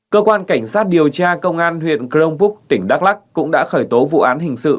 cơ quan cảnh sát điều tra công an huyện crong phúc tỉnh đắk lắc cũng đã khởi tố vụ án hình sự